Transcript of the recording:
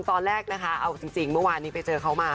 ตอนแรกเอาจริงเมื่อวานนี้ก็จะเจอเขามา